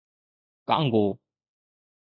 Congo